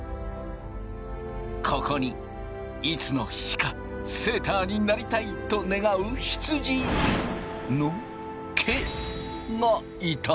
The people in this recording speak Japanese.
ここにいつの日かセーターになりたいと願う羊の毛がいた。